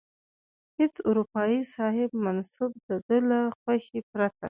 هیڅ اروپايي صاحب منصب د ده له خوښې پرته.